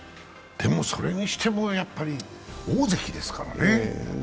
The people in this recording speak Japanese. でも、それにしてもやっぱり大関ですからね。